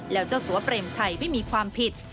แล้วเจ้าสัวเปรมชัยไม่มีความผิด